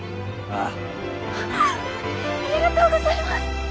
ありがとうございます！